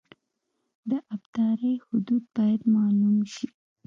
د ابدارۍ حدود باید معلوم شي